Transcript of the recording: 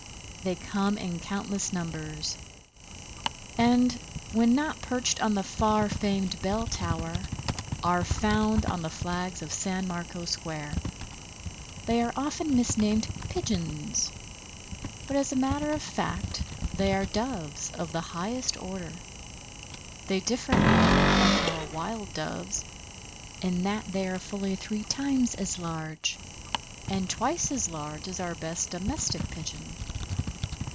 They come in countless numbers, and, when not perched on the far famed bell tower, are found on the flags of San Marco Square. They are often misnamed Pigeons, but as a matter of fact they are Doves of the highest order. They differ, however, from our wild Doves in that they are fully three times as large, and twice as large as our best domestic Pigeon.